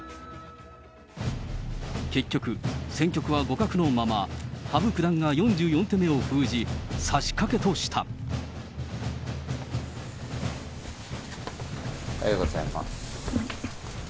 結局、戦局は互角のまま、羽生九段が４４手目を封じ、おはようございます。